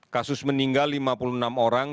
kasus meninggal lima puluh enam orang